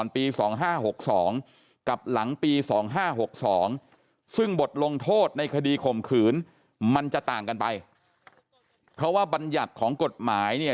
โพลโมนตรี